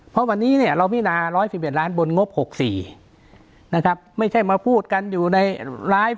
เพราะวันนี้เนี่ยเราพินา๑๑๑ล้านบนงบ๖๔นะครับไม่ใช่มาพูดกันอยู่ในไลฟ์